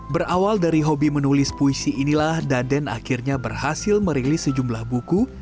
berawal dari hobi menulis puisi inilah daden akhirnya berhasil merilis sejumlah buku